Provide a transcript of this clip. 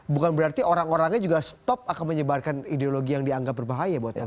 bukan berarti orang orangnya juga stop akan menyebarkan ideologi yang dianggap berbahaya